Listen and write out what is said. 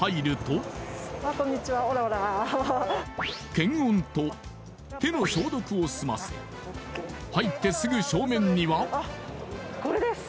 検温と手の消毒をすませ入ってすぐ正面にはこれです